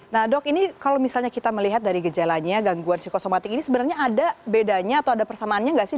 nah dok ini kalau misalnya kita melihat dari gejalanya gangguan psikosomatik ini sebenarnya ada bedanya atau ada persamaannya nggak sih